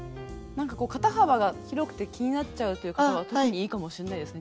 肩幅が広くて気になっちゃうという方は特にいいかもしれないですね。